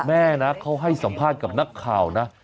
แม่นะเขาให้สัมภาษณ์กับนักข่าวนะ